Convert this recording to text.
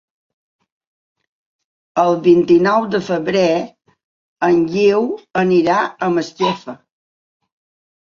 El vint-i-nou de febrer en Guiu anirà a Masquefa.